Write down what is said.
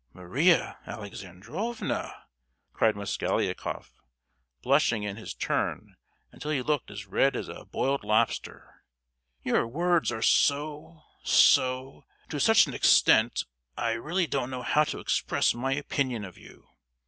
"Maria Alexandrovna!" cried Mosgliakoff, blushing in his turn until he looked as red as a boiled lobster, "your words are so, so——to such an extent—I really don't know how to express my opinion of you.